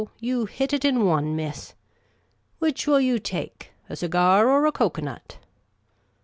You hit it in one, miss ! Which will you take, a cigar or a cocoa nut